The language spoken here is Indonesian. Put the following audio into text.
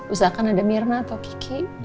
usahakan ada mirna atau kiki